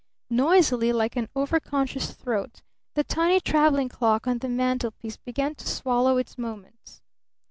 Noisily, like an over conscious throat, the tiny traveling clock on the mantelpiece began to swallow its moments.